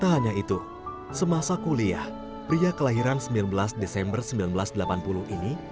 tak hanya itu semasa kuliah pria kelahiran sembilan belas desember seribu sembilan ratus delapan puluh ini